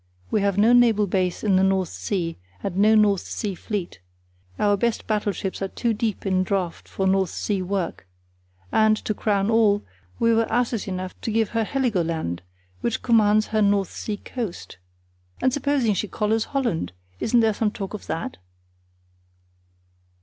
We have no naval base in the North Sea, and no North Sea Fleet. Our best battleships are too deep in draught for North Sea work. And, to crown all, we were asses enough to give her Heligoland, which commands her North Sea coast. And supposing she collars Holland; isn't there some talk of that?"